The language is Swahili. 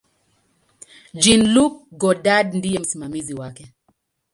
Jean-Luc Godard ndiye msimamizi wake.